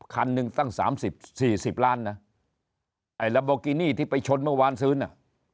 คันนึงตั้ง๓๐๔๐ล้านนะไอ้ลับโบกินี่ที่ไปชนเมื่อวานซื้อนะ